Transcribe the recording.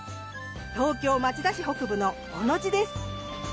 東京町田市北部の小野路です。